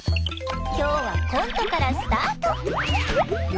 今日はコントからスタート！